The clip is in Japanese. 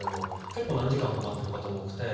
結構、何時間か待っている方も多くて。